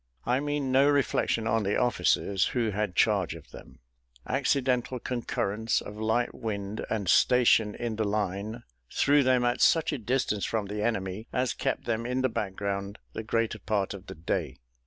I mean no reflection on the officers who had charge of them: accidental concurrence of light wind and station in the line, threw them at such a distance from the enemy as kept them in the back ground the greater part of the day.